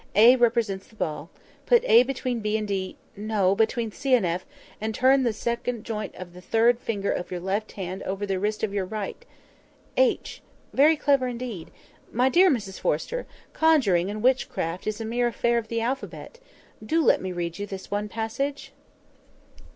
A represents the ball. Put A between B and D—no! between C and F, and turn the second joint of the third finger of your left hand over the wrist of your right H. Very clear indeed! My dear Mrs Forrester, conjuring and witchcraft is a mere affair of the alphabet. Do let me read you this one passage?"